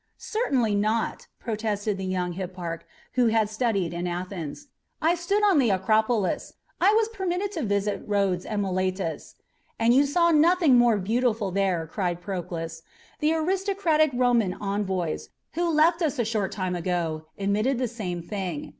"Certainly not," protested the young hipparch, who had studied in Athens. "I stood on the Acropolis; I was permitted to visit Rhodes and Miletus " "And you saw nothing more beautiful there," cried Proclus. "The aristocratic Roman envoys, who left us a short time ago, admitted the same thing.